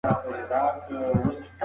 پوهه د انسانیت لویه پانګه ده.